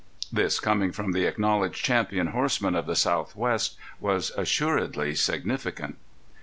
This coming from the acknowledged champion horseman of the southwest was assuredly significant.